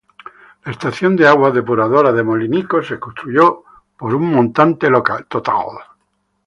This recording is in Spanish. La estación de aguas depuradora de Molinicos se construye por un montante total.